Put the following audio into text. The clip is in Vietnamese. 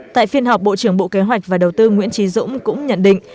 tại phiên họp bộ trưởng bộ kế hoạch và đầu tư nguyễn trí dũng cũng nhận định